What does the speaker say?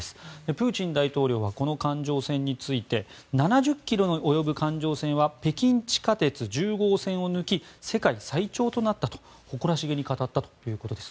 プーチン大統領はこの環状線について７０ｋｍに及ぶ環状線は北京地下鉄１０号線を抜き世界最長となったと誇らしげに語ったということです。